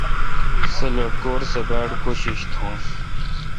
سو لٹکور سہ باڑ کوشش تھنوس۔